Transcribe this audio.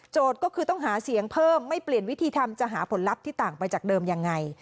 ก็คือต้องหาเสียงเพิ่มไม่เปลี่ยนวิธีทำจะหาผลลัพธ์ที่ต่างไปจากเดิมยังไง